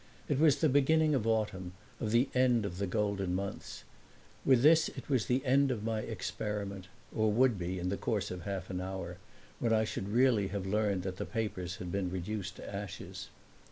It was the beginning of autumn, of the end of the golden months. With this it was the end of my experiment or would be in the course of half an hour, when I should really have learned that the papers had been reduced to ashes.